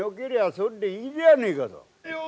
それでいいじゃねえかさ。